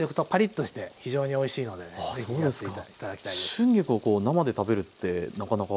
春菊をこう生で食べるってなかなか。